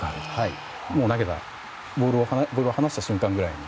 もうボールを放した瞬間ぐらいに？